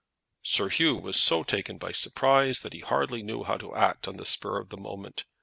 Sir Hugh was so taken by surprise that he hardly knew how to act on the spur of the moment.